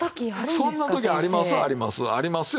そんな時ありますありますありますよ。